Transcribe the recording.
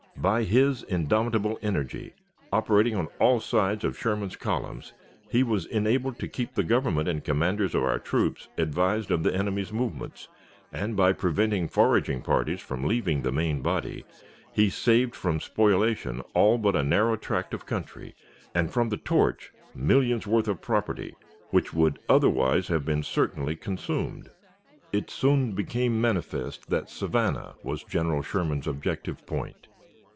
By his indomitable energy, operating on all sides of Sherman's columns, he was enabled to keep the Government and commanders of our troops advised of the enemy's movements, and, by preventing foraging parties from leaving the main body, he saved from spoliation all but a narrow tract of country, and from the torch millions worth of property which would otherwise have been certainly consumed. It soon became manifest that Savannah was General Sherman's objective point.